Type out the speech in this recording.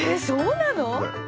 そうなの？